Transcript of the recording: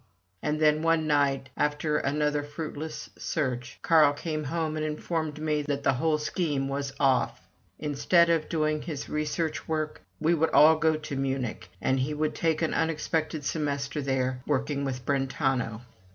And then, one night, after another fruitless search, Carl came home and informed me that the whole scheme was off. Instead of doing his research work, we would all go to Munich, and he would take an unexpected semester there, working with Brentano.